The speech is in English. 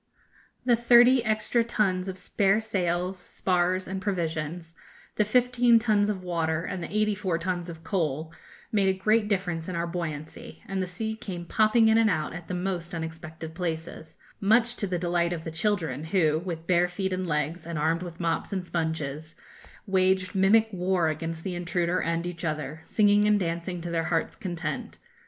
The thirty extra tons of spare sails, spars, and provisions, the fifteen tons of water, and the eighty four tons of coal, made a great difference in our buoyancy, and the sea came popping in and out at the most unexpected places; much to the delight of the children, who, with bare feet and legs, and armed with mops and sponges, waged mimic war against the intruder and each other, singing and dancing to their hearts' content.